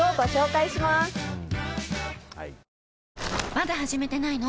まだ始めてないの？